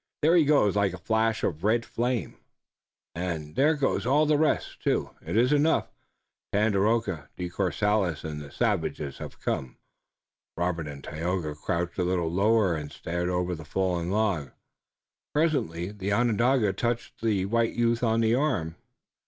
There he goes like a flash of red flame!" "And there go all the rest, too. It is enough. Tandakora, De Courcelles and the savages have come." Robert and Tayoga crouched a little lower and stared over the fallen log. Presently the Onondaga touched the white youth on the arm.